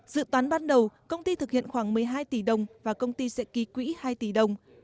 dự toán ban đầu công ty thực hiện khoảng một mươi hai tỷ đồng và công ty sẽ ký quỹ hai tỷ đồng